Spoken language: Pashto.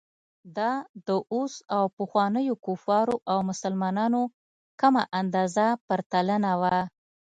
دا د اوس او پخوانیو کفارو او مسلمانانو کمه اندازه پرتلنه وه.